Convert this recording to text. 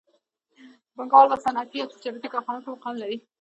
بانکوالان په صنعتي او تجارتي کارخانو کې مقام لري